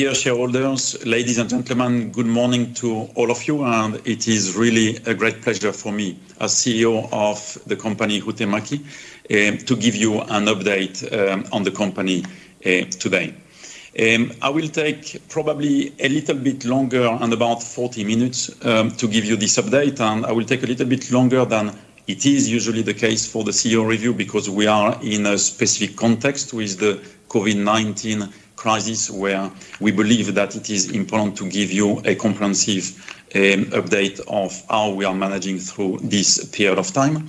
Dear shareholders, ladies and gentlemen, good morning to all of you. It is really a great pleasure for me, as CEO of the company, Huhtamäki, to give you an update on the company today. I will take probably a little bit longer and about 40 minutes to give you this update. I will take a little bit longer than it is usually the case for the CEO review because we are in a specific context with the COVID-19 crisis, where we believe that it is important to give you a comprehensive update of how we are managing through this period of time.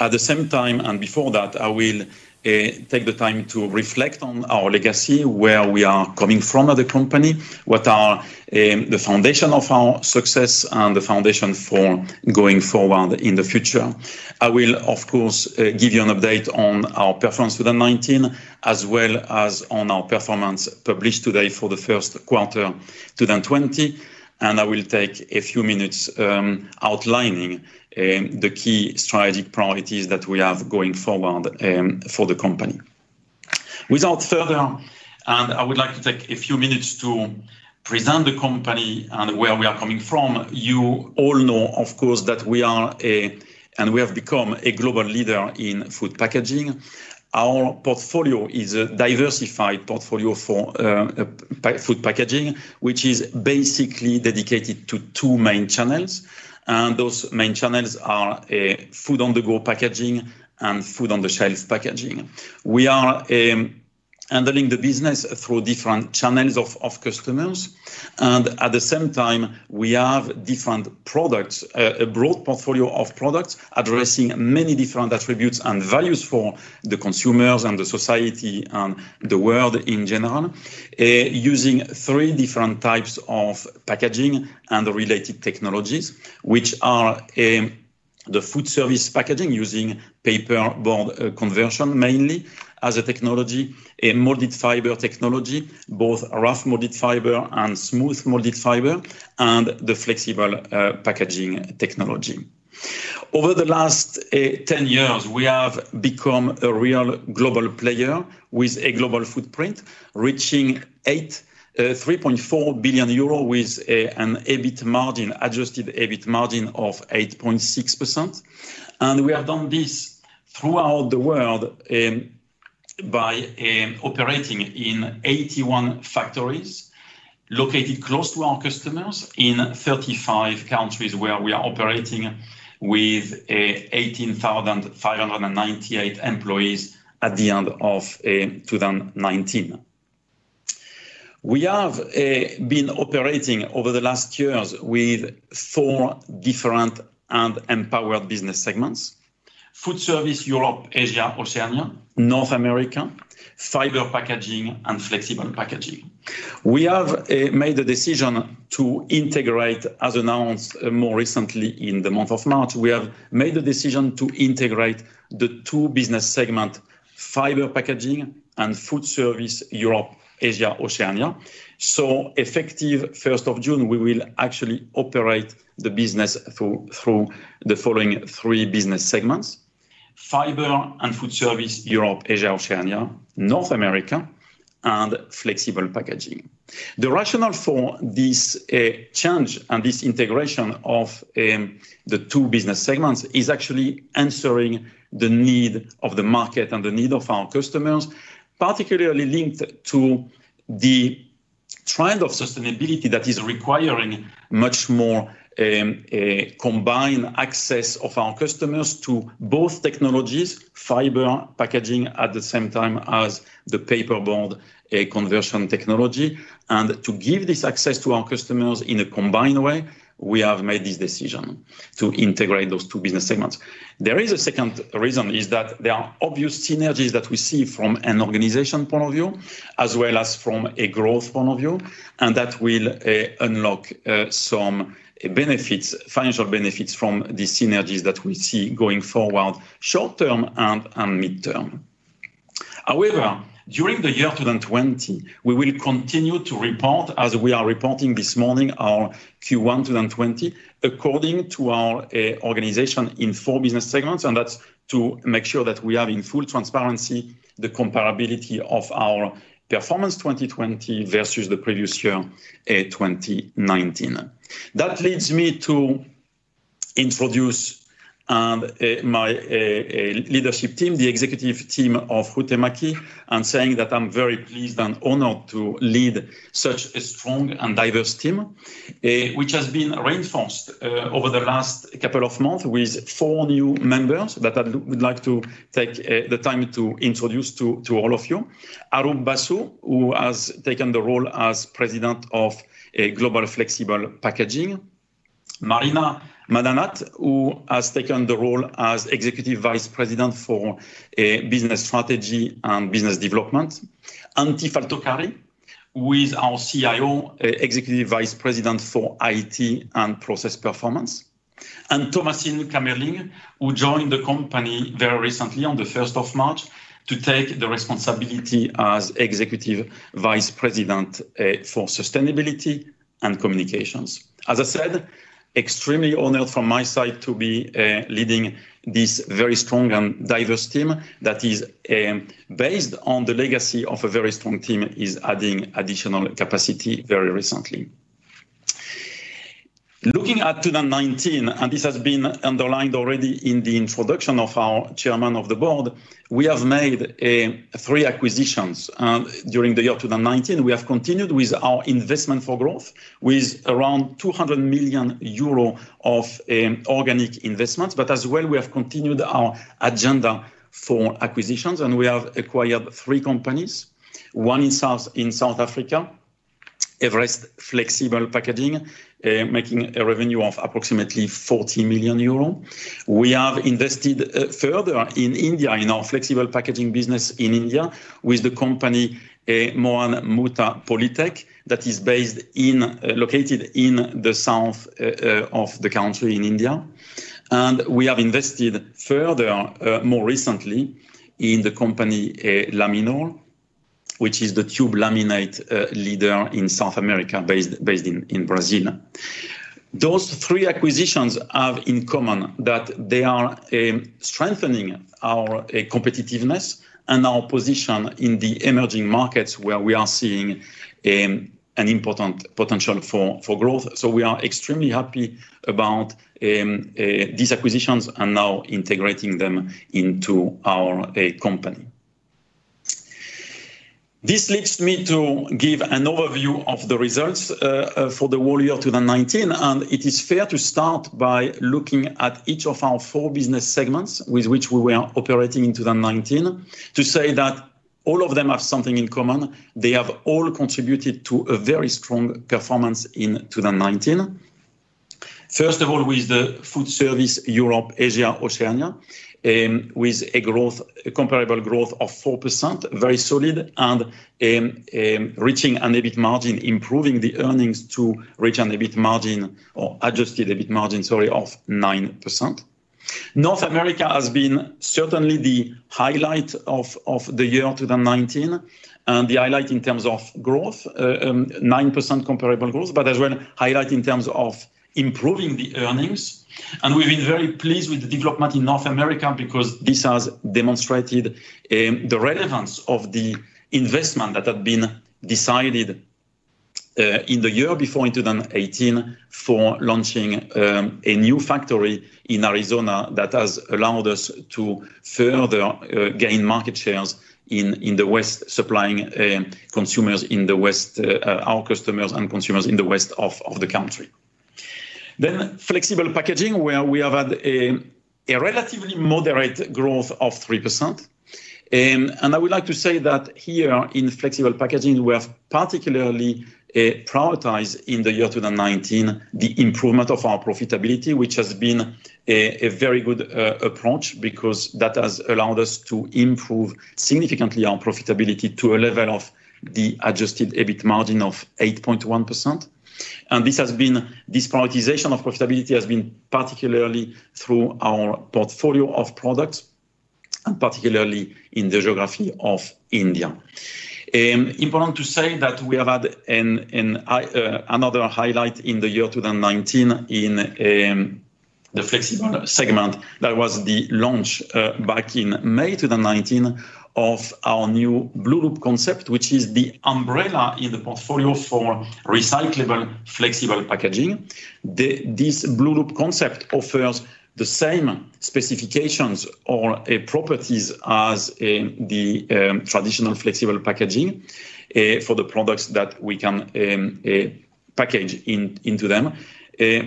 At the same time, before that, I will take the time to reflect on our legacy, where we are coming from as a company, what are the foundation of our success, and the foundation for going forward in the future. I will, of course, give you an update on our performance 2019 as well as on our performance published today for the first quarter 2020. I will take a few minutes outlining the key strategic priorities that we have going forward for the company. Without further, I would like to take a few minutes to present the company and where we are coming from. You all know, of course, that we are a, we have become a global leader in food packaging. Our portfolio is a diversified portfolio for food packaging, which is basically dedicated to two main channels. Those main channels are food-on-the-go packaging and food-on-the-shelf packaging. We are handling the business through different channels of customers. At the same time, we have different products, a broad portfolio of products addressing many different attributes and values for the consumers and the society and the world in general, using 3 different types of packaging and the related technologies. Which are the food service packaging using paperboard conversion, mainly as a technology, a molded fiber technology, both rough molded fiber and smooth molded fiber, and the flexible packaging technology. Over the last 10 years, we have become a real global player with a global footprint, reaching 3.4 billion euro with an adjusted EBIT margin of 8.6%. We have done this throughout the world by operating in 81 factories located close to our customers in 35 countries, where we are operating with 18,598 employees at the end of 2019. We have been operating over the last years with four different and empowered business segments: Foodservice Europe-Asia-Oceania; North America; Fiber Packaging; and Flexible Packaging. We have made the decision to integrate, as announced more recently in the month of March, we have made the decision to integrate the two business segment, Fiber Packaging and Foodservice Europe-Asia-Oceania. Effective 1st of June, we will actually operate the business through the following three business segments: Fiber and Foodservice Europe-Asia-Oceania; North America; and Flexible Packaging. The rationale for this change and this integration of the two business segments is actually answering the need of the market and the need of our customers, particularly linked to the trend of sustainability that is requiring much more combined access of our customers to both technologies, fiber packaging, at the same time as the paperboard conversion technology. To give this access to our customers in a combined way, we have made this decision to integrate those two business segments. There is a second reason, is that there are obvious synergies that we see from an organization point of view, as well as from a growth point of view, and that will unlock some financial benefits from the synergies that we see going forward short-term and midterm. However, during the year 2020, we will continue to report, as we are reporting this morning, our Q1 2020, according to our organization in four business segments, and that's to make sure that we are in full transparency, the comparability of our performance 2020 versus the previous year, 2019. To introduce my leadership team, the executive team of Huhtamäki, and saying that I'm very pleased and honored to lead such a strong and diverse team, which has been reinforced over the last couple of months with four new members that I would like to take the time to introduce to all of you. Arup Basu, who has taken the role as President of Global Flexible Packaging. Marina Madanat, who has taken the role as Executive Vice President for Business Strategy and Business Development. Antti Valtokari, who is our CIO, Executive Vice President for IT and Process Performance. Thomasine Kamerling, who joined the company very recently on the 1st of March, to take the responsibility as Executive Vice President for Sustainability and Communications. As I said, extremely honored from my side to be leading this very strong and diverse team that is based on the legacy of a very strong team, is adding additional capacity very recently. Looking at 2019, this has been underlined already in the introduction of our Chairman of the Board, we have made three acquisitions during the year 2019. We have continued with our investment for growth, with around 200 million euro of organic investments. We have continued our agenda for acquisitions, and we have acquired three companies. One in South Africa, Everest Flexibles, making a revenue of approximately 40 million euro. We have invested further in India, in our Flexible Packaging business in India, with the company Mohan Mutha Polytech, that is located in the south of the country in India. We have invested further, more recently, in the company Laminor, which is the tube laminate leader in South America, based in Brazil. Those three acquisitions have in common that they are strengthening our competitiveness and our position in the emerging markets where we are seeing an important potential for growth. We are extremely happy about these acquisitions and now integrating them into our company. This leads me to give an overview of the results for the whole year 2019, and it is fair to start by looking at each of our four business segments with which we were operating in 2019. To say that all of them have something in common, they have all contributed to a very strong performance in 2019. With the Foodservice Europe-Asia-Oceania, with a comparable growth of 4%, very solid, reaching an EBIT margin, improving the earnings to reach an EBIT margin or adjusted EBIT margin, sorry, of 9%. North America has been certainly the highlight of the year 2019, the highlight in terms of growth, 9% comparable growth, but as well, highlight in terms of improving the earnings. We've been very pleased with the development in North America because this has demonstrated the relevance of the investment that had been decided in the year before, in 2018, for launching a new factory in Arizona that has allowed us to further gain market shares in the West, supplying our customers and consumers in the west of the country. Flexible Packaging, where we have had a relatively moderate growth of 3%. I would like to say that here in Flexible Packaging, we have particularly prioritized in the year 2019, the improvement of our profitability, which has been a very good approach because that has allowed us to improve significantly our profitability to a level of the adjusted EBIT margin of 8.1%. This prioritization of profitability has been particularly through our portfolio of products, particularly in the geography of India. Important to say that we have had another highlight in the year 2019 in the flexible segment. That was the launch, back in May 2019, of our new blueloop concept, which is the umbrella in the portfolio for recyclable flexible packaging. This blueloop concept offers the same specifications or properties as the traditional flexible packaging for the products that we can package into them,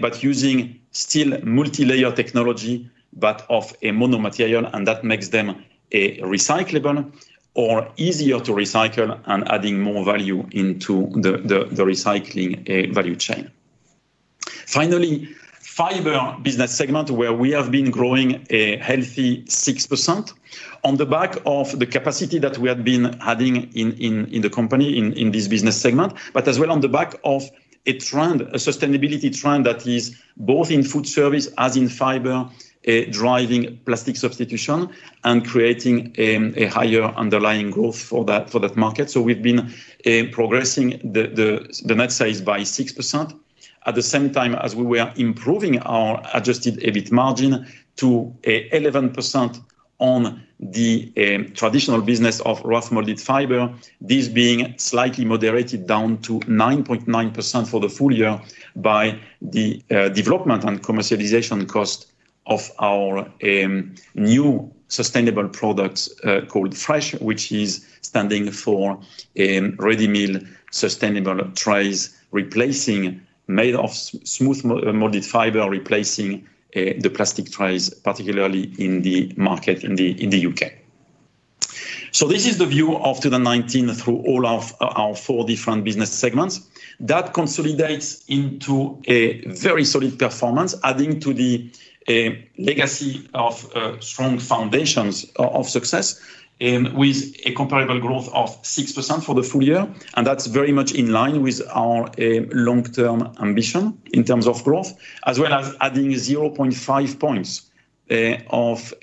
but using still multilayer technology, but of a mono material, that makes them recyclable or easier to recycle and adding more value into the recycling value chain. Fiber Packaging business segment, where we have been growing a healthy 6% on the back of the capacity that we have been adding in the company in this business segment, but as well on the back of a trend, a sustainability trend that is both in food service as in fiber, driving plastic substitution and creating a higher underlying growth for that market. We've been progressing the net sales by 6%, at the same time as we were improving our adjusted EBIT margin to 11% on the traditional business of molded fiber, this being slightly moderated down to 9.9% for the full year by the development and commercialization cost of our new sustainable product called Fresh, which is standing for ready-meal sustainable trays, made of smooth molded fiber, replacing the plastic trays, particularly in the market in the U.K. This is the view of 2019 through all of our four different business segments. That consolidates into a very solid performance, adding to the legacy of strong foundations of success with a comparable growth of 6% for the full year. That's very much in line with our long-term ambition in terms of growth, as well as adding 0.5 points of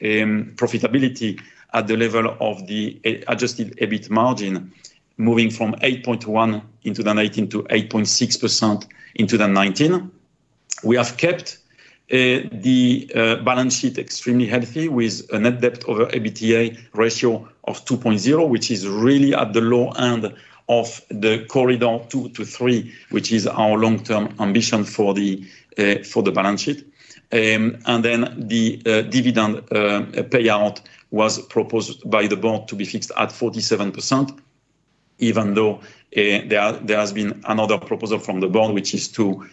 profitability at the level of the adjusted EBIT margin, moving from 8.1% in 2018 to 8.6% in 2019. We have kept the balance sheet extremely healthy with a net debt over EBITDA ratio of 2.0, which is really at the low end of the corridor 2 to 3, which is our long-term ambition for the balance sheet. The dividend payout was proposed by the board to be fixed at 47%, even though there has been another proposal from the board, which is to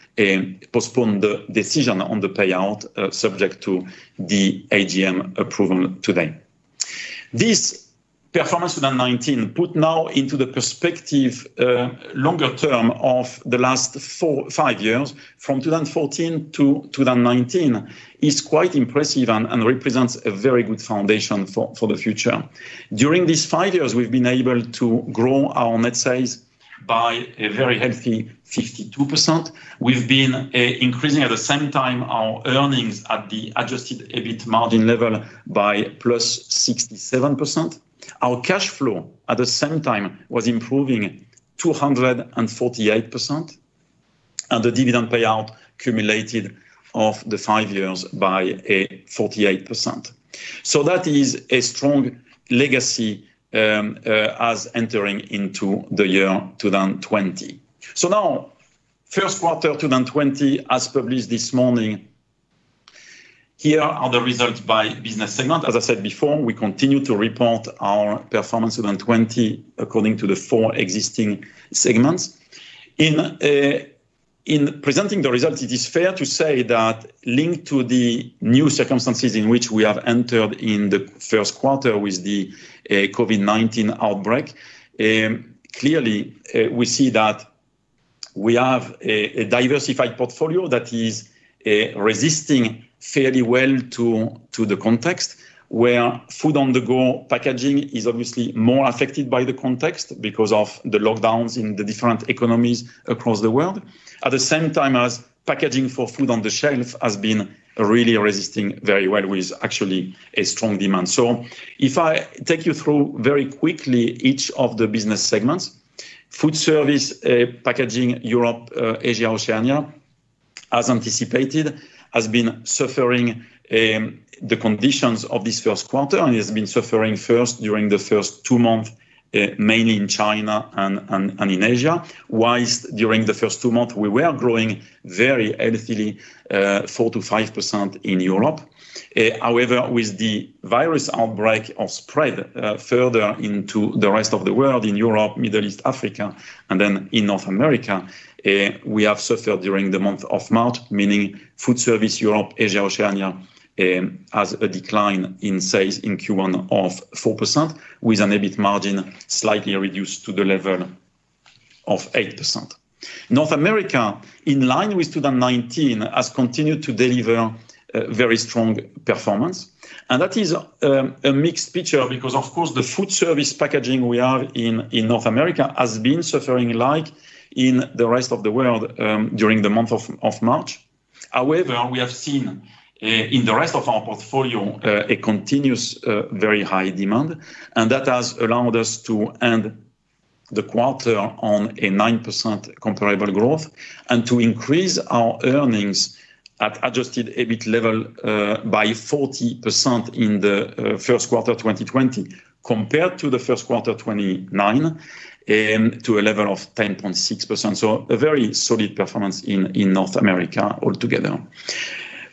postpone the decision on the payout subject to the AGM approval today. This performance 2019 put now into the perspective longer term of the last five years, from 2014 to 2019, is quite impressive and represents a very good foundation for the future. During these five years, we've been able to grow our net sales by a very healthy 52%. We've been increasing at the same time our earnings at the adjusted EBIT margin level by +67%. Our cash flow at the same time was improving 248% and the dividend payout accumulated of the five years by a 48%. That is a strong legacy as entering into the year 2020. Now, first quarter 2020 as published this morning. Here are the results by business segment. As I said before, we continue to report our performance 2020 according to the four existing segments. In presenting the results, it is fair to say that linked to the new circumstances in which we have entered in the first quarter with the COVID-19 outbreak, clearly we see that we have a diversified portfolio that is resisting fairly well to the context, where food-on-the-go packaging is obviously more affected by the context because of the lockdowns in the different economies across the world. At the same time as packaging for food on the shelf has been really resisting very well with actually a strong demand. If I take you through very quickly each of the business segments, Foodservice Europe-Asia-Oceania, as anticipated, has been suffering the conditions of this first quarter and has been suffering first during the first two months, mainly in China and in Asia. Whilst during the first two months, we were growing very healthily 4% to 5% in Europe. However, with the virus outbreak spread further into the rest of the world in Europe, Middle East, Africa, and then in North America, we have suffered during the month of March, meaning Foodservice Europe-Asia-Oceania has a decline in sales in Q1 of 4% with an EBIT margin slightly reduced to the level of 8%. North America, in line with 2019, has continued to deliver very strong performance. That is a mixed picture because, of course, the foodservice packaging we have in North America has been suffering like in the rest of the world during the month of March. We have seen in the rest of our portfolio a continuous very high demand, and that has allowed us to end the quarter on a 9% comparable growth and to increase our earnings at adjusted EBIT level by 40% in the first quarter 2020 compared to the first quarter of 2019 to a level of 10.6%. A very solid performance in North America altogether.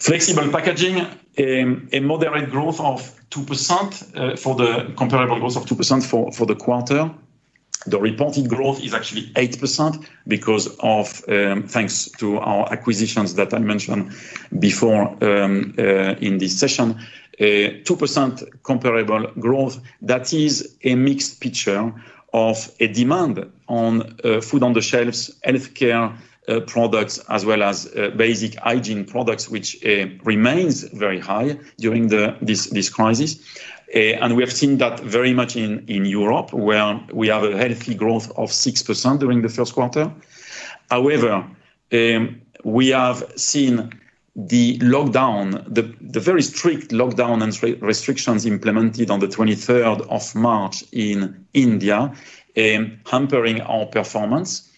Flexible Packaging, a moderate growth of 2% for the comparable growth of 2% for the quarter. The reported growth is actually 8% thanks to our acquisitions that I mentioned before in this session. 2% comparable growth, that is a mixed picture of a demand on food on the shelves, healthcare products, as well as basic hygiene products, which remains very high during this crisis. We have seen that very much in Europe where we have a healthy growth of 6% during the first quarter. We have seen the very strict lockdown and restrictions implemented on the 23rd of March in India hampering our performance.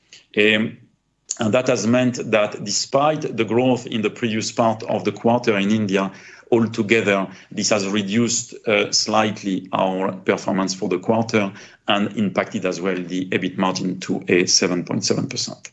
That has meant that despite the growth in the previous part of the quarter in India, altogether, this has reduced slightly our performance for the quarter and impacted as well the EBIT margin to a 7.7%.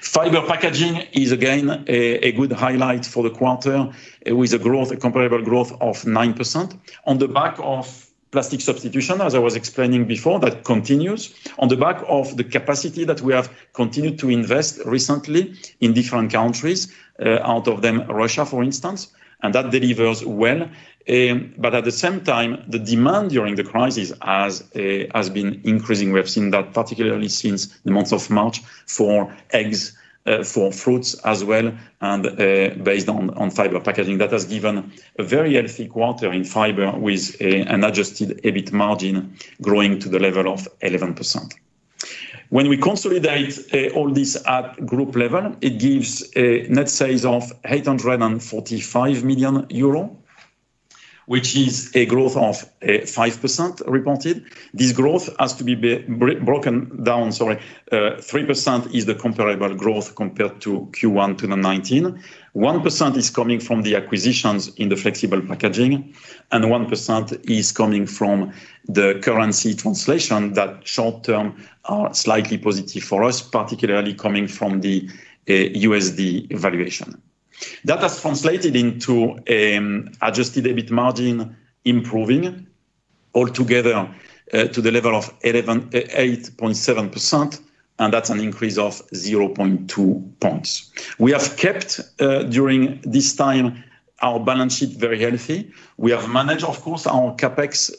Fiber Packaging is again a good highlight for the quarter with a comparable growth of 9% on the back of plastic substitution, as I was explaining before, that continues. On the back of the capacity that we have continued to invest recently in different countries, out of them Russia, for instance, and that delivers well. At the same time, the demand during the crisis has been increasing. We have seen that particularly since the month of March for eggs, for fruits as well, and based on Fiber Packaging. That has given a very healthy quarter in fiber with an adjusted EBIT margin growing to the level of 11%. When we consolidate all this at group level, it gives a net sales of 845 million euro, which is a growth of 5% reported. This growth has to be broken down. 3% is the comparable growth compared to Q1 2019, 1% is coming from the acquisitions in the Flexible Packaging, and 1% is coming from the currency translation that short-term are slightly positive for us, particularly coming from the USD valuation. That has translated into adjusted EBIT margin improving altogether to the level of 8.7%, and that's an increase of 0.2 points. We have kept, during this time, our balance sheet very healthy. We have managed, of course, our CapEx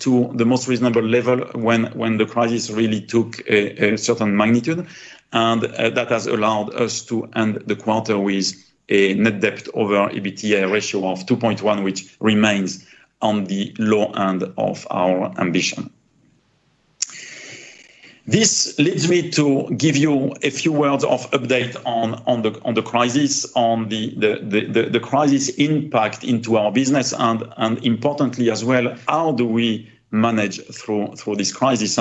to the most reasonable level when the crisis really took a certain magnitude. That has allowed us to end the quarter with a net debt over EBITDA ratio of 2.1, which remains on the low end of our ambition. This leads me to give you a few words of update on the crisis impact into our business and importantly as well, how do we manage through this crisis.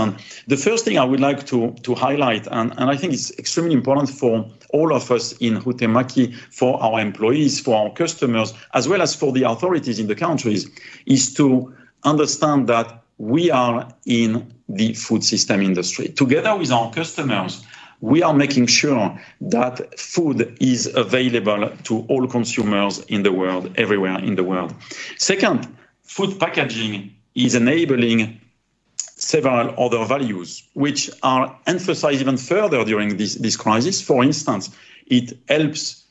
The first thing I would like to highlight, and I think it's extremely important for all of us in Huhtamäki, for our employees, for our customers, as well as for the authorities in the countries, is to understand that we are in the food system industry. Together with our customers, we are making sure that food is available to all consumers in the world, everywhere in the world. Second, food packaging is enabling several other values, which are emphasized even further during this crisis. For instance, it helps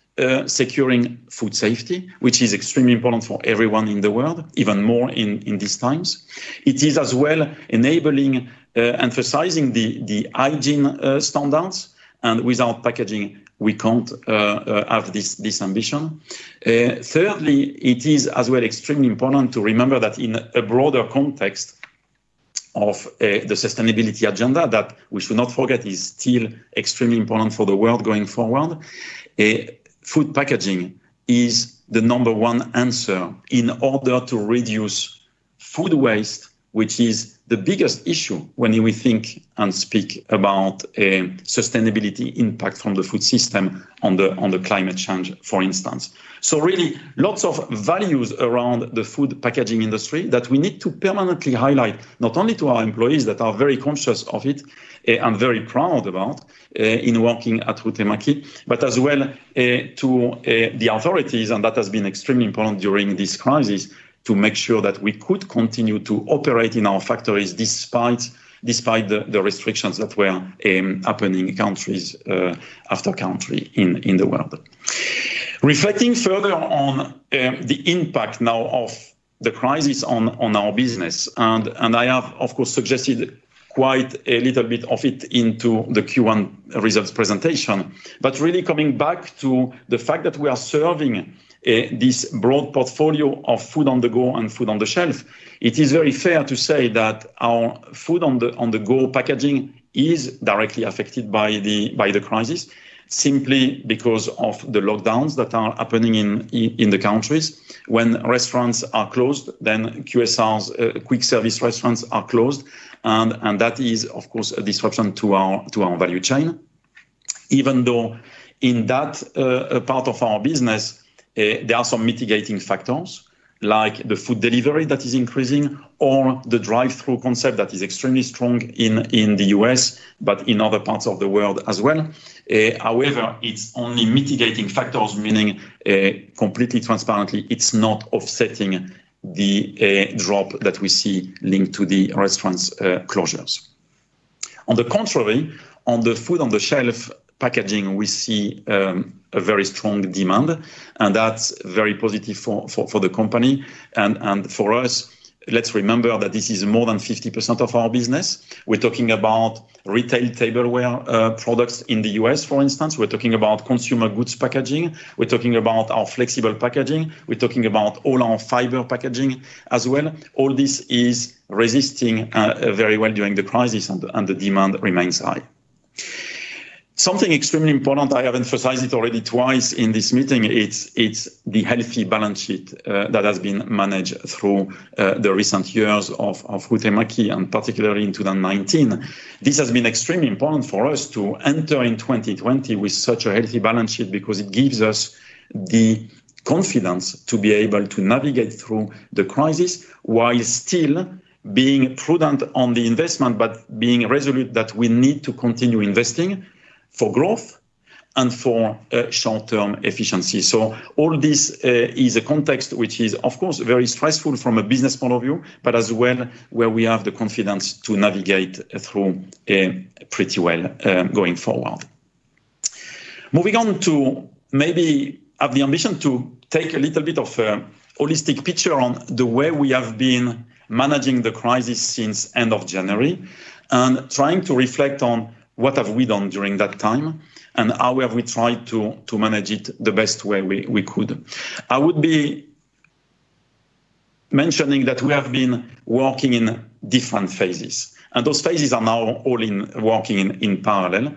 securing food safety, which is extremely important for everyone in the world, even more in these times. It is as well enabling, emphasizing the hygiene standards. Without packaging, we can't have this ambition. Thirdly, it is as well extremely important to remember that in a broader context of the sustainability agenda, that we should not forget is still extremely important for the world going forward, food packaging is the number one answer in order to reduce food waste, which is the biggest issue when we think and speak about sustainability impact from the food system on the climate change, for instance. Really, lots of values around the food packaging industry that we need to permanently highlight, not only to our employees that are very conscious of it, and very proud about in working at Huhtamäki, but as well to the authorities. That has been extremely important during this crisis to make sure that we could continue to operate in our factories despite the restrictions that were happening country after country in the world. Reflecting further on the impact now of the crisis on our business, I have, of course, suggested quite a little bit of it into the Q1 results presentation. Really coming back to the fact that we are serving this broad portfolio of food on-the-go and food on-the-shelf, it is very fair to say that our food on-the-go packaging is directly affected by the crisis, simply because of the lockdowns that are happening in the countries. When restaurants are closed, then QSRs, quick service restaurants, are closed, and that is, of course, a disruption to our value chain. Even though in that part of our business, there are some mitigating factors, like the food delivery that is increasing, or the drive-through concept that is extremely strong in the U.S., but in other parts of the world as well. However, it's only mitigating factors, meaning completely transparently, it's not offsetting the drop that we see linked to the restaurants closures. On the contrary, on the food on-the-shelf packaging, we see a very strong demand. That's very positive for the company and for us. Let's remember that this is more than 50% of our business. We're talking about retail tableware products in the U.S., for instance. We're talking about consumer goods packaging. We're talking about our Flexible Packaging. We're talking about all our Fiber Packaging as well. All this is resisting very well during the crisis, the demand remains high. Something extremely important, I have emphasized it already twice in this meeting, it's the healthy balance sheet that has been managed through the recent years of Huhtamäki, and particularly in 2019. This has been extremely important for us to enter in 2020 with such a healthy balance sheet because it gives us the confidence to be able to navigate through the crisis while still being prudent on the investment, but being resolute that we need to continue investing for growth and for short-term efficiency. All this is a context which is, of course, very stressful from a business point of view, but as well, where we have the confidence to navigate through pretty well going forward. Moving on to maybe have the ambition to take a little bit of a holistic picture on the way we have been managing the crisis since end of January, and trying to reflect on what have we done during that time, and how have we tried to manage it the best way we could. I would be mentioning that we have been working in different phases, and those phases are now all working in parallel.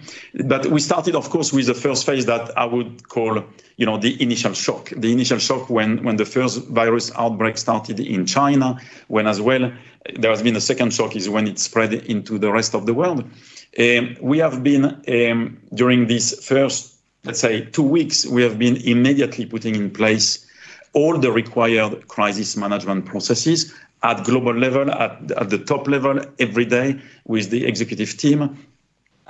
We started, of course, with the first phase that I would call the initial shock. The initial shock when the first virus outbreak started in China. There has been a second shock is when it spread into the rest of the world. During this first, let's say, two weeks, we have been immediately putting in place all the required crisis management processes at global level, at the top level every day with the executive team.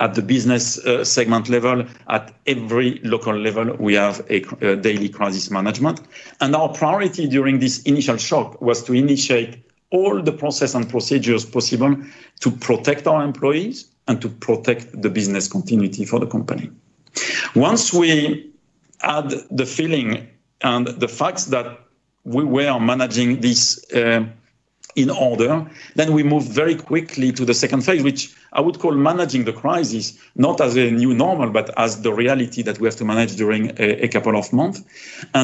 At the business segment level, at every local level, we have a daily crisis management. Our priority during this initial shock was to initiate all the process and procedures possible to protect our employees and to protect the business continuity for the company. Once we had the feeling and the facts that we were managing this in order, we moved very quickly to the second phase, which I would call managing the crisis, not as a new normal, but as the reality that we have to manage during a couple of months.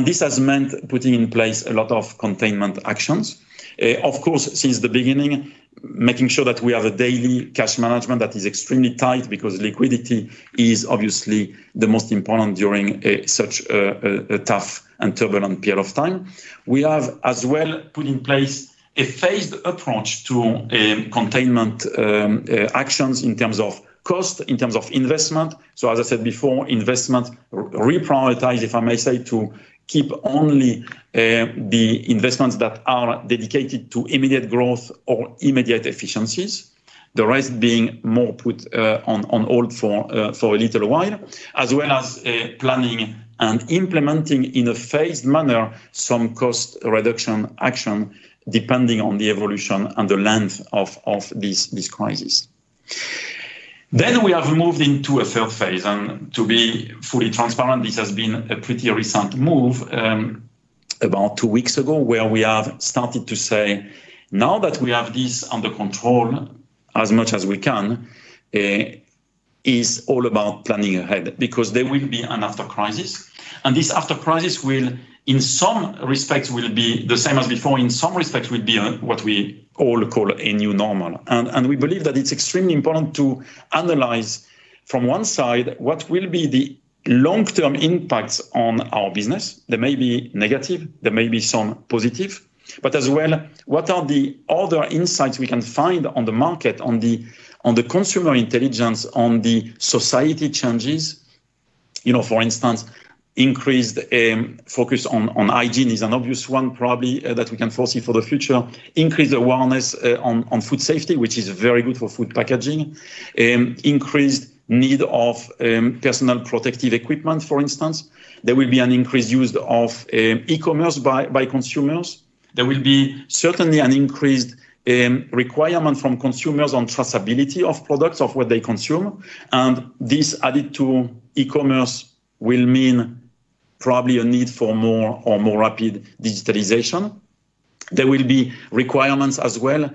This has meant putting in place a lot of containment actions. Of course, since the beginning, making sure that we have a daily cash management that is extremely tight because liquidity is obviously the most important during such a tough and turbulent period of time. We have as well put in place a phased approach to containment actions in terms of cost, in terms of investment. As I said before, investment reprioritize, if I may say, to keep only the investments that are dedicated to immediate growth or immediate efficiencies, the rest being more put on hold for a little while, as well as planning and implementing in a phased manner some cost reduction action depending on the evolution and the length of this crisis. We have moved into a third phase, and to be fully transparent, this has been a pretty recent move, about two weeks ago, where we have started to say, now that we have this under control as much as we can, it's all about planning ahead, because there will be an after crisis, and this after crisis will, in some respects, will be the same as before, in some respects will be what we all call a new normal. We believe that it's extremely important to analyze from one side what will be the long-term impacts on our business. There may be negative, there may be some positive. As well, what are the other insights we can find on the market, on the consumer intelligence, on the society changes? For instance, increased focus on hygiene is an obvious one probably that we can foresee for the future. Increased awareness on food safety, which is very good for food packaging. Increased need of personal protective equipment, for instance. There will be an increased use of e-commerce by consumers. There will be certainly an increased requirement from consumers on traceability of products of what they consume. This added to e-commerce will mean probably a need for more or more rapid digitalization. There will be requirements as well,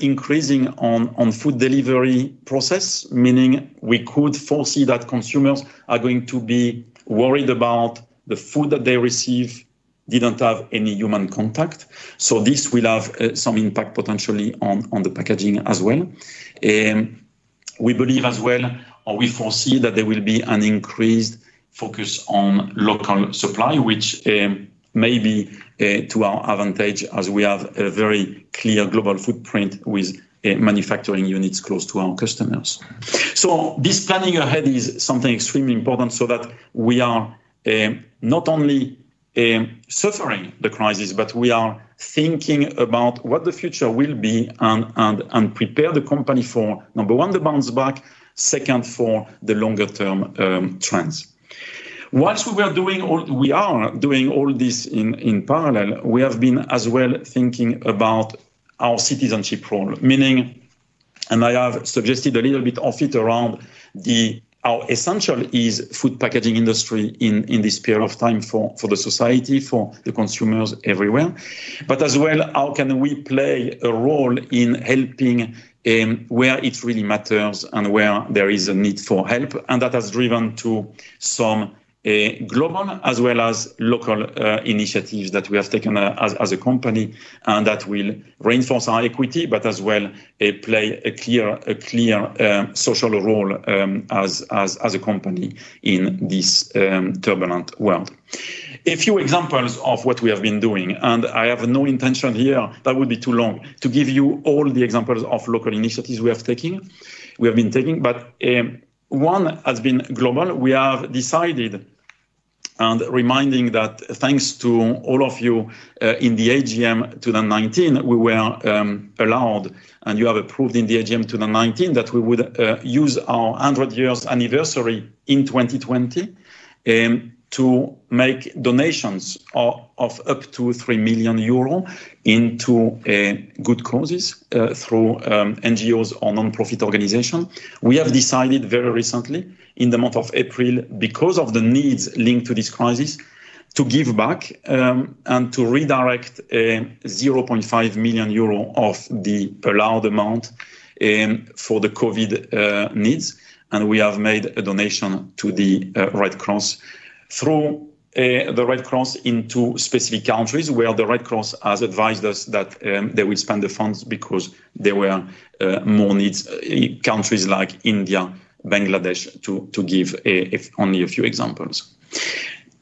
increasing on food delivery process, meaning we could foresee that consumers are going to be worried about the food that they receive didn't have any human contact. This will have some impact potentially on the packaging as well. We believe as well, or we foresee that there will be an increased focus on local supply, which may be to our advantage as we have a very clear global footprint with manufacturing units close to our customers. This planning ahead is something extremely important so that we are not only suffering the crisis, but we are thinking about what the future will be and prepare the company for, number one, the bounce back, second, for the longer-term trends. Whilst we are doing all this in parallel, we have been as well thinking about our citizenship role, meaning, I have suggested a little bit of it around how essential is food packaging industry in this period of time for the society, for the consumers everywhere. As well, how can we play a role in helping where it really matters and where there is a need for help? That has driven to some global as well as local initiatives that we have taken as a company. That will reinforce our equity, as well, play a clear social role as a company in this turbulent world. A few examples of what we have been doing, I have no intention here, that would be too long, to give you all the examples of local initiatives we have been taking, but one has been global. We have decided, reminding that thanks to all of you in the AGM 2019, we were allowed, you have approved in the AGM 2019 that we would use our 100 years anniversary in 2020 to make donations of up to 3 million euro into good causes through NGOs or non-profit organization. We have decided very recently in the month of April, because of the needs linked to this crisis, to give back and to redirect 0.5 million euro of the allowed amount for the COVID needs. We have made a donation to the Red Cross through the Red Cross into specific countries where the Red Cross has advised us that they will spend the funds because there were more needs in countries like India, Bangladesh, to give only a few examples.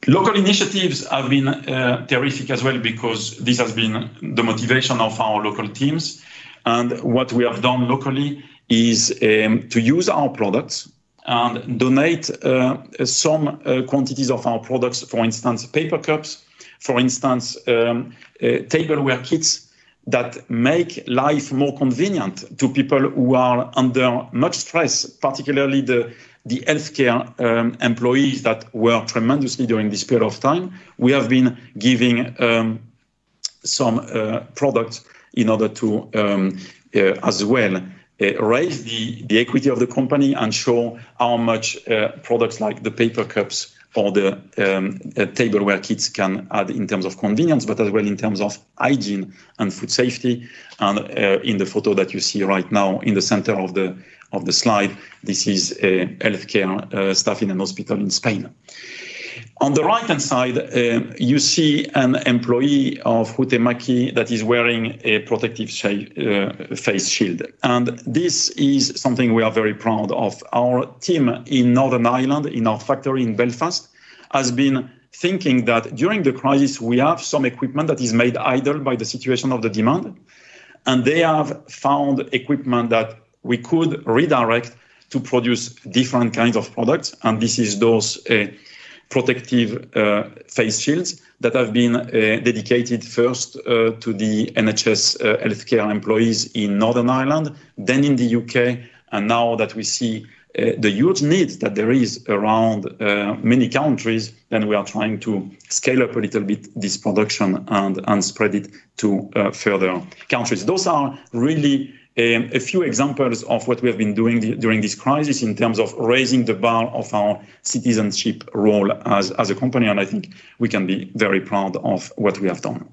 Local initiatives have been terrific as well because this has been the motivation of our local teams. What we have done locally is to use our products and donate some quantities of our products, for instance, paper cups, for instance, tableware kits that make life more convenient to people who are under much stress, particularly the healthcare employees that work tremendously during this period of time. We have been giving some products in order to, as well, raise the equity of the company and show how much products like the paper cups or the tableware kits can add in terms of convenience, but as well, in terms of hygiene and food safety. In the photo that you see right now in the center of the slide, this is a healthcare staff in a hospital in Spain. On the right-hand side, you see an employee of Huhtamäki that is wearing a protective face shield. This is something we are very proud of. Our team in Northern Ireland, in our factory in Belfast, has been thinking that during the crisis, we have some equipment that is made idle by the situation of the demand. They have found equipment that we could redirect to produce different kinds of products, and this is those protective face shields that have been dedicated first to the NHS healthcare employees in Northern Ireland, then in the U.K., now that we see the huge needs that there is around many countries, then we are trying to scale up a little bit this production and spread it to further countries. Those are really a few examples of what we have been doing during this crisis in terms of raising the bar of our citizenship role as a company, I think we can be very proud of what we have done.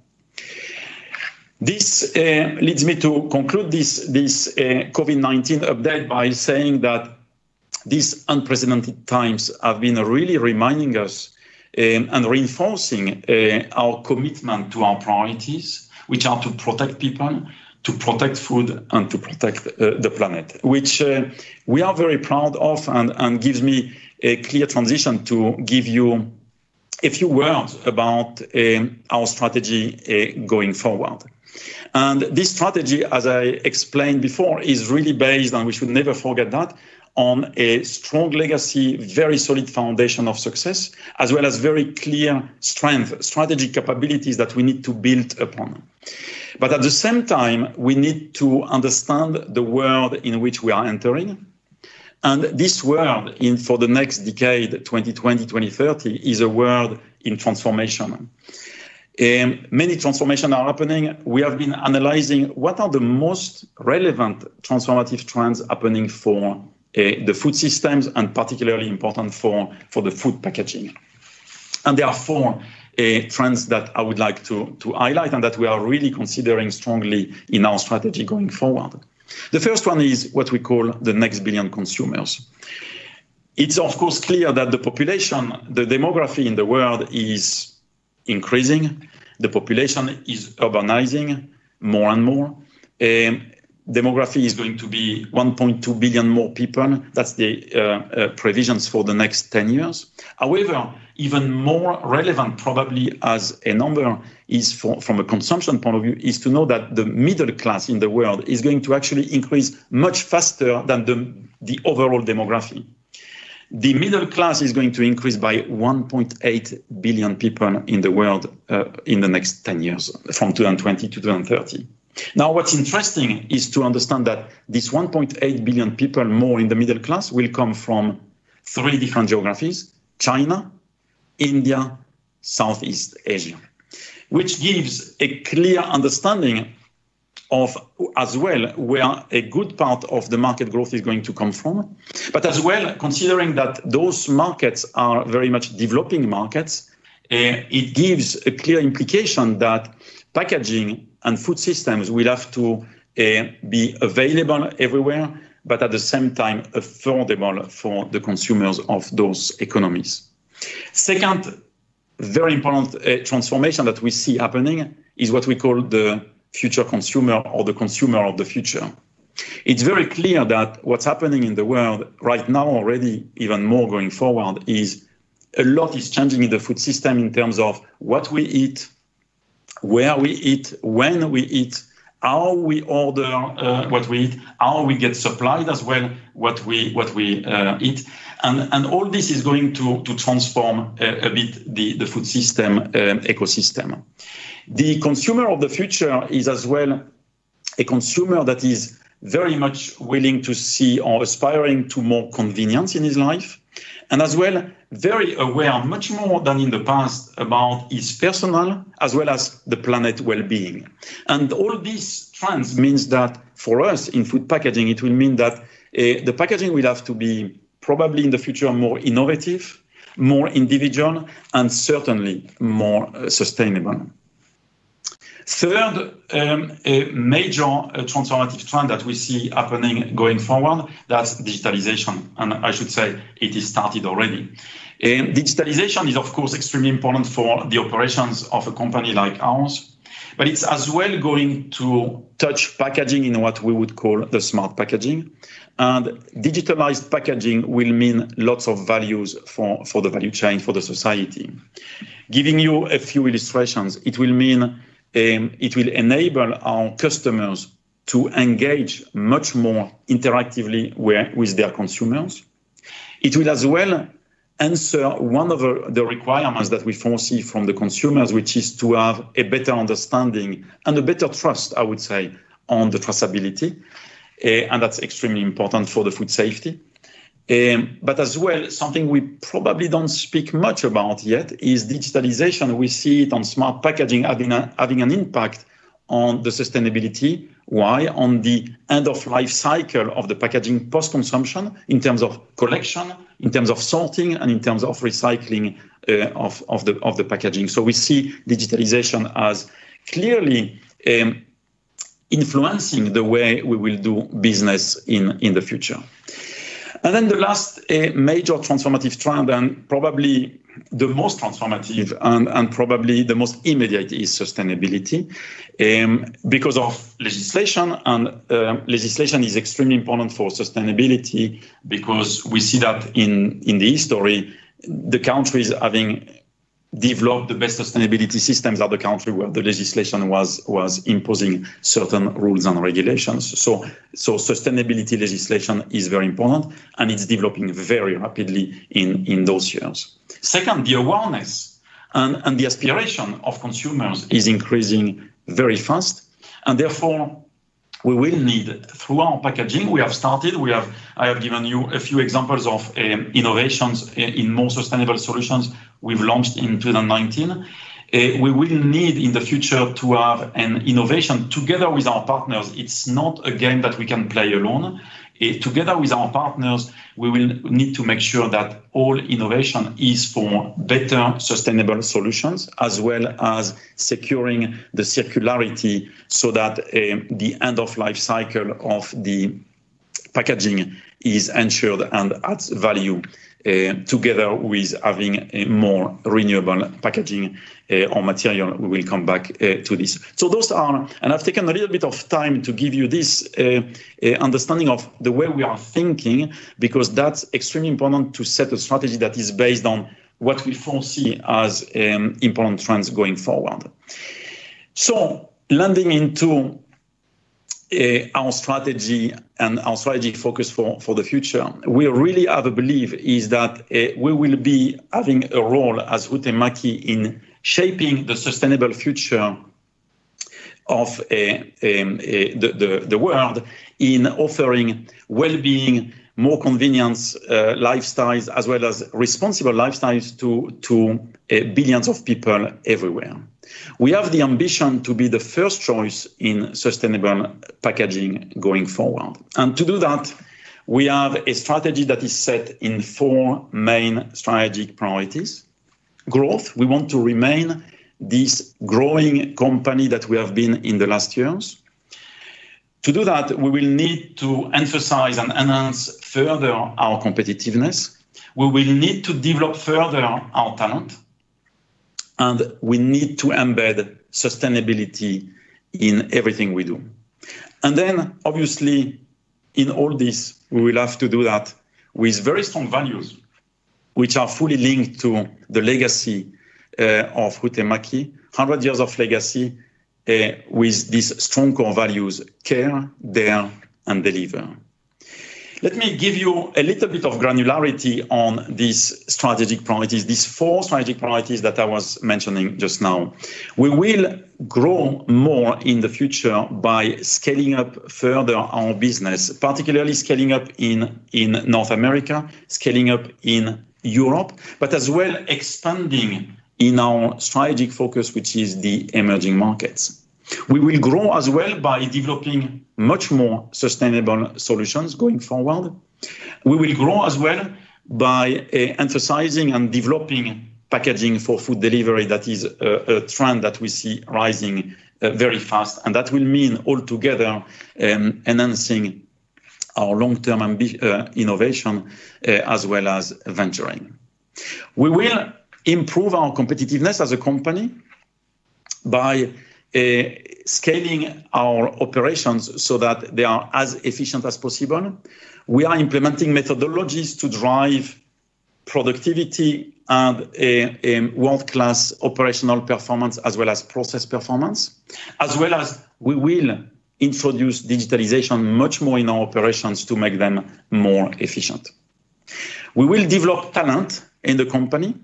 This leads me to conclude this COVID-19 update by saying that these unprecedented times have been really reminding us and reinforcing our commitment to our priorities, which are to protect people, to protect food, and to protect the planet, which we are very proud of and gives me a clear transition to give you a few words about our strategy going forward. This strategy, as I explained before, is really based, and we should never forget that, on a strong legacy, very solid foundation of success, as well as very clear strength, strategy capabilities that we need to build upon. At the same time, we need to understand the world in which we are entering. This world for the next decade, 2020-2030, is a world in transformation. Many transformations are happening. We have been analyzing what are the most relevant transformative trends happening for the food systems, and particularly important for the food packaging. There are four trends that I would like to highlight and that we are really considering strongly in our strategy going forward. The first one is what we call the next billion consumers. It's, of course, clear that the demography in the world is increasing. The population is urbanizing more and more. Demography is going to be 1.2 billion more people. That's the provisions for the next 10 years. However, even more relevant probably as a number from a consumption point of view, is to know that the middle class in the world is going to actually increase much faster than the overall demography. The middle class is going to increase by 1.8 billion people in the world in the next 10 years, from 2020 to 2030. What's interesting is to understand that this 1.8 billion people more in the middle class will come from three different geographies, China, India, Southeast Asia, which gives a clear understanding of, as well, where a good part of the market growth is going to come from. Considering that those markets are very much developing markets, it gives a clear implication that packaging and food systems will have to be available everywhere, but at the same time, affordable for the consumers of those economies. Second very important transformation that we see happening is what we call the future consumer or the consumer of the future. It's very clear that what's happening in the world right now already, even more going forward, is a lot is changing in the food system in terms of what we eat, where we eat, when we eat, how we order what we eat, how we get supplied as well, what we eat. All this is going to transform a bit the food system ecosystem. The consumer of the future is, as well, a consumer that is very much willing to see or aspiring to more convenience in his life. Very aware, much more than in the past, about his personal as well as the planet wellbeing. All these trends means that for us in food packaging, it will mean that the packaging will have to be probably in the future, more innovative, more individual, and certainly more sustainable. Third, a major transformative trend that we see happening going forward, that's digitalization. I should say it has started already. Digitalization is, of course, extremely important for the operations of a company like ours, but it's as well going to touch packaging in what we would call the smart packaging, and digitalized packaging will mean lots of values for the value chain, for the society. Giving you a few illustrations, it will enable our customers to engage much more interactively with their consumers. It will as well answer one of the requirements that we foresee from the consumers, which is to have a better understanding and a better trust, I would say, on the traceability, and that's extremely important for food safety. Something we probably don't speak much about yet is digitalization. We see it on smart packaging having an impact on sustainability. Why? On the end-of-life cycle of the packaging post-consumption in terms of collection, in terms of sorting, and in terms of recycling of the packaging. We see digitalization as clearly influencing the way we will do business in the future. The last major transformative trend, and probably the most transformative and probably the most immediate, is sustainability. Because of legislation, and legislation is extremely important for sustainability, because we see that in history, the countries having developed the best sustainability systems are the countries where the legislation was imposing certain rules and regulations. Sustainability legislation is very important, and it is developing very rapidly in those years. Second, the awareness and the aspiration of consumers is increasing very fast. Therefore, we will need, through our packaging, we have started. I have given you a few examples of innovations in more sustainable solutions we have launched in 2019. We will need in the future to have an innovation together with our partners. It is not a game that we can play alone. Together with our partners, we will need to make sure that all innovation is for better sustainable solutions, as well as securing the circularity so that the end-of-life cycle of the packaging is ensured and adds value, together with having a more renewable packaging or material. We will come back to this. I have taken a little bit of time to give you this understanding of the way we are thinking, because that is extremely important to set a strategy that is based on what we foresee as important trends going forward. Landing into our strategy and our strategic focus for the future, we really have a belief is that we will be having a role as Huhtamäki in shaping the sustainable future of the world in offering wellbeing, more convenience lifestyles, as well as responsible lifestyles to billions of people everywhere. We have the ambition to be the first choice in sustainable packaging going forward. To do that, we have a strategy that is set in four main strategic priorities. Growth, we want to remain this growing company that we have been in the last years. To do that, we will need to emphasize and enhance further our competitiveness. We will need to develop further our talent. We need to embed sustainability in everything we do. Then obviously, in all this, we will have to do that with very strong values, which are fully linked to the legacy of Huhtamäki, 100 years of legacy with these strong core values, care, dare, and deliver. Let me give you a little bit of granularity on these strategic priorities, these four strategic priorities that I was mentioning just now. We will grow more in the future by scaling up further our business, particularly scaling up in North America, scaling up in Europe, but as well expanding in our strategic focus, which is the emerging markets. We will grow as well by developing much more sustainable solutions going forward. We will grow as well by emphasizing and developing packaging for food delivery. That is a trend that we see rising very fast. That will mean altogether enhancing our long-term innovation as well as venturing. We will improve our competitiveness as a company by scaling our operations so that they are as efficient as possible. We are implementing methodologies to drive productivity and world-class operational performance as well as process performance. As well, we will introduce digitalization much more in our operations to make them more efficient. We will develop talent in the company,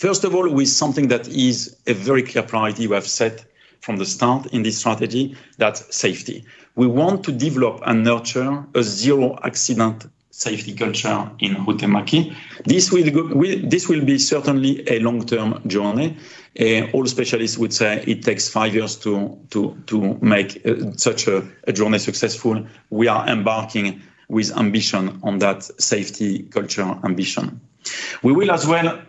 first of all, with something that is a very clear priority we have set from the start in this strategy. That's safety. We want to develop and nurture a zero-accident safety culture in Huhtamäki. This will be certainly a long-term journey, all specialists would say it takes five years to make such a journey successful. We are embarking with ambition on that safety culture ambition. We will as well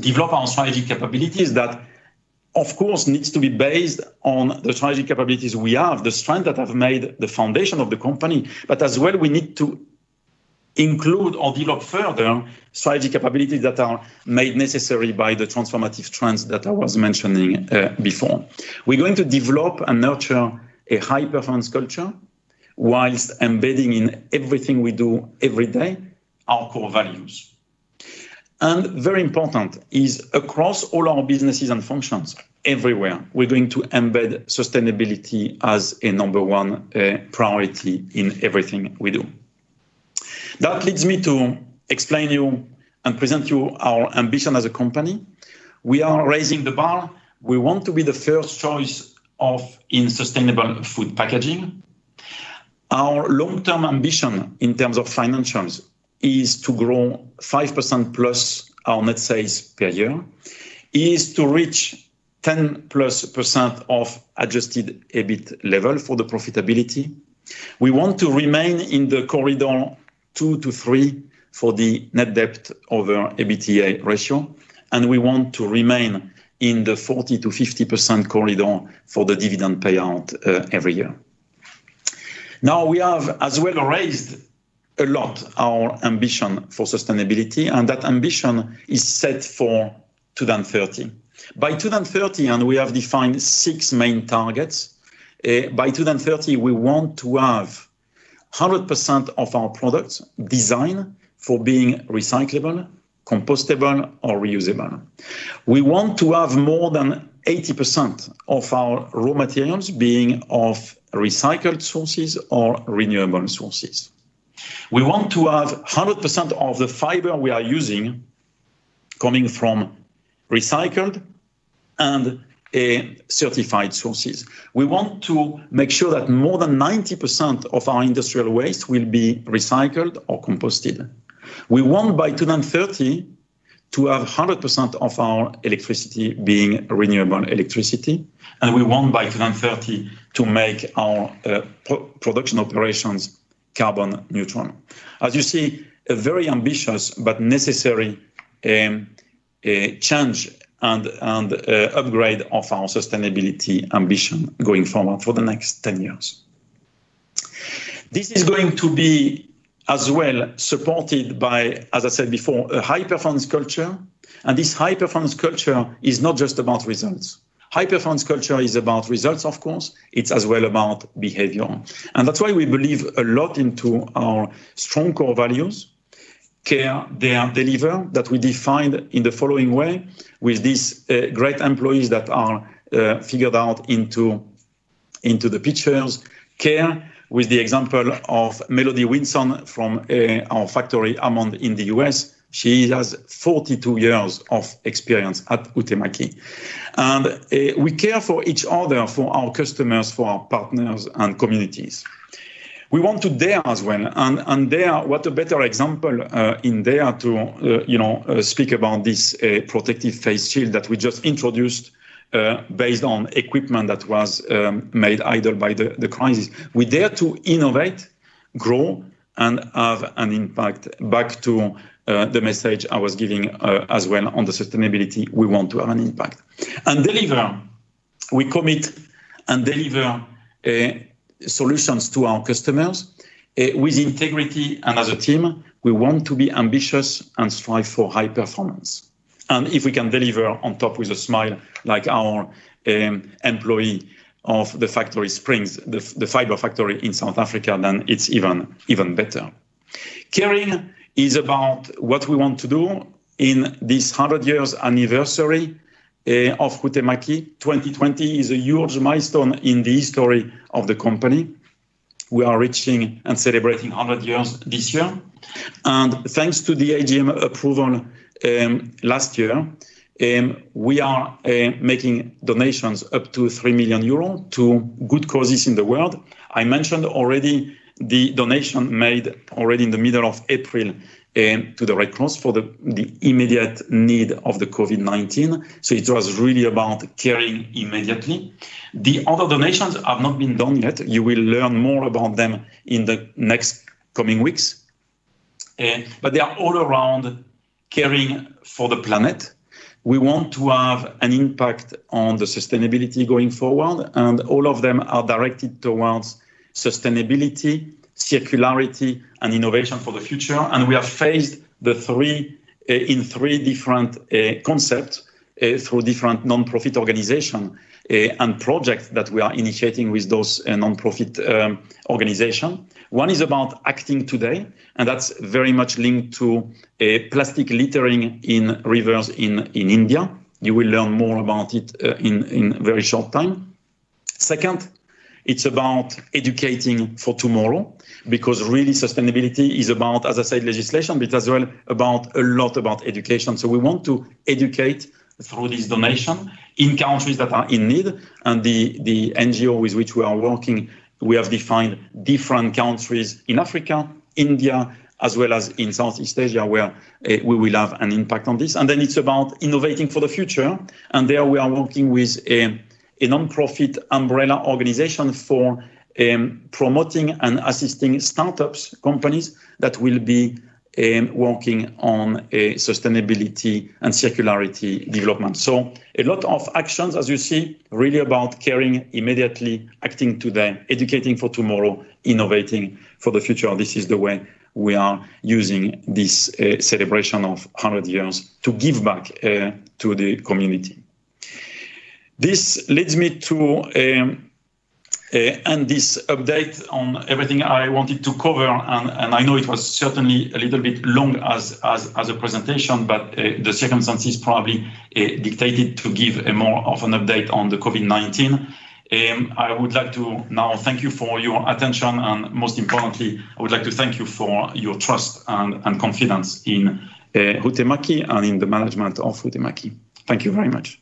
develop our strategic capabilities that, of course, needs to be based on the strategic capabilities we have, the strength that have made the foundation of the company. As well, we need to include or develop further strategic capabilities that are made necessary by the transformative trends that I was mentioning before. We're going to develop and nurture a high-performance culture while embedding in everything we do every day, our core values. Very important is across all our businesses and functions everywhere, we're going to embed sustainability as a number 1 priority in everything we do. That leads me to explain you and present you our ambition as a company. We are raising the bar. We want to be the first choice of in sustainable food packaging. Our long-term ambition in terms of financials is to grow 5% plus our net sales per year, is to reach 10 plus % of adjusted EBIT level for the profitability. We want to remain in the corridor 2 to 3 for the net debt over EBITDA ratio, and we want to remain in the 40%-50% corridor for the dividend payout every year. Now, we have as well raised a lot our ambition for sustainability, and that ambition is set for 2030. By 2030, and we have defined six main targets. By 2030, we want to have 100% of our products designed for being recyclable, compostable, or reusable. We want to have more than 80% of our raw materials being of recycled sources or renewable sources. We want to have 100% of the fiber we are using coming from recycled and certified sources. We want to make sure that more than 90% of our industrial waste will be recycled or composted. We want, by 2030, to have 100% of our electricity being renewable electricity, and we want, by 2030, to make our production operations carbon neutral. As you see, a very ambitious but necessary change and upgrade of our sustainability ambition going forward for the next 10 years. This is going to be as well supported by, as I said before, a high-performance culture. This high-performance culture is not just about results. High-performance culture is about results, of course. That's why we believe a lot into our strong core values, care, dare, deliver, that we defined in the following way with these great employees that are figured out into the pictures. Care, with the example of Melody Wilson from our factory, Hammond, in the U.S. She has 42 years of experience at Huhtamäki. We care for each other, for our customers, for our partners and communities. Dare as well. Dare, what a better example in dare to speak about this protective face shield that we just introduced, based on equipment that was made idle by the crisis. We dare to innovate, grow, and have an impact back to the message I was giving as well on the sustainability. We want to have an impact. Deliver. We commit and deliver solutions to our customers with integrity and as a team. We want to be ambitious and strive for high performance. If we can deliver on top with a smile like our employee of the factory Springs, the fiber factory in South Africa, then it's even better. Caring is about what we want to do in this 100 years anniversary of Huhtamäki. 2020 is a huge milestone in the history of the company. We are reaching and celebrating 100 years this year. Thanks to the AGM approval last year, we are making donations up to 3 million euros to good causes in the world. I mentioned already the donation made already in the middle of April to the Red Cross for the immediate need of the COVID-19. It was really about caring immediately. The other donations have not been done yet. You will learn more about them in the next coming weeks. They are all around caring for the planet. We want to have an impact on the sustainability going forward, and all of them are directed towards sustainability, circularity, and innovation for the future. We have phased in 3 different concepts through different nonprofit organization and projects that we are initiating with those nonprofit organization. One is about acting today, and that's very much linked to plastic littering in rivers in India. You will learn more about it in very short time. Second, it's about educating for tomorrow, because really sustainability is about, as I said, legislation, but as well about a lot about education. We want to educate through this donation in countries that are in need, and the NGO with which we are working, we have defined different countries in Africa, India, as well as in Southeast Asia, where we will have an impact on this. Then it's about innovating for the future. There we are working with a nonprofit umbrella organization for promoting and assisting startups, companies that will be working on sustainability and circularity development. A lot of actions, as you see, really about caring immediately, acting today, educating for tomorrow, innovating for the future. This is the way we are using this celebration of 100 years to give back to the community. This leads me to end this update on everything I wanted to cover, and I know it was certainly a little bit long as a presentation, but the circumstances probably dictated to give a more of an update on the COVID-19. I would like to now thank you for your attention, and most importantly, I would like to thank you for your trust and confidence in Huhtamäki and in the management of Huhtamäki. Thank you very much.